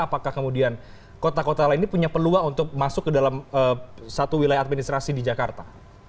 apakah kemudian kota kota lain ini punya peluang untuk masuk ke dalam satu wilayah administrasi di jakarta